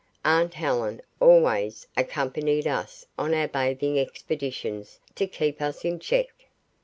Aunt Helen always accompanied us on our bathing expeditions to keep us in check.